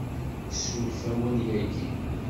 Nessuref-awen yagi.